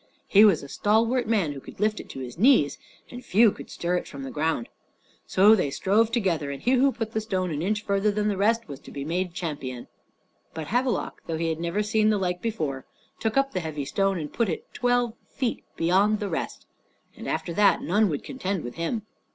He was a stalwart man who could lift it to his knee, and few could stir it from the ground. So they strove together, and he who put the stone an inch farther than the rest was to be made champion. But Havelok, though he had never seen the like before, took up the heavy stone, and put it twelve feet beyond the rest, and after that none would contend with him.